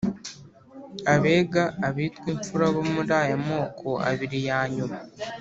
abega, abitwa imfura bo muri aya moko abiri ya nyuma